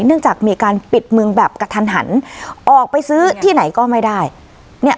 เนื่องจากมีการปิดเมืองแบบกระทันหันออกไปซื้อที่ไหนก็ไม่ได้เนี่ย